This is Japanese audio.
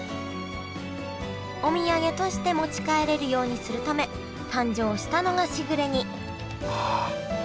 お土産として持ち帰れるようにするため誕生したのがしぐれ煮ああ。